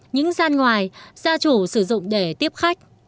những gian ngoài gia chủ sử dụng để tiếp khách